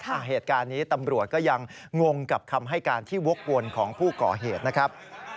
เหตุการณ์นี้ตำรวจก็ยังงงกับคำให้การที่วกวนของผู้ก่อเหตุนะครับ